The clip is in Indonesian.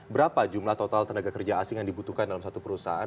berapa jumlah total tenaga kerja asing yang dibutuhkan dalam satu perusahaan